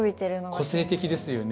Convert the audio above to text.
個性的ですよね